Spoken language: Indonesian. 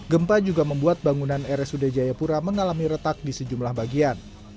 gempa juga membuat bangunan rsud jayapura mengalami retak di sejumlah bagian